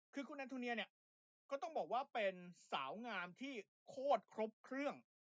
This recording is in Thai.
คือคุณแอนทูเนียเนี่ยก็ต้องบอกว่าเป็นสาวงามที่โคตรครบเครื่อง